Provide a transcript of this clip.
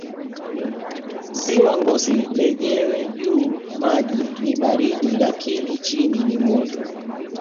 Ziwa Ngosi lenyewe juu maji ni baridi lakini chini ni moto